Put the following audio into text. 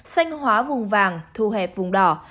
xanh hóa vùng vàng thu hẹp vùng đỏ